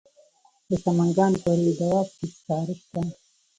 د سمنګان په روی دو اب کې سکاره شته.